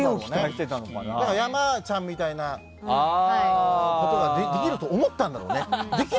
山ちゃんみたいなことができると思ったんだろうね。